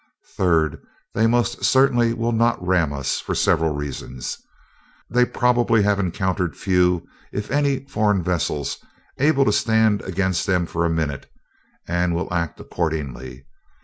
Third, they most certainly will not ram us, for several reasons. They probably have encountered few, if any, foreign vessels able to stand against them for a minute, and will act accordingly.